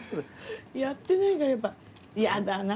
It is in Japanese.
やってないからヤダな。